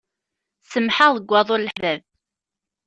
Semmḥeɣ deg waḍu n leḥbab.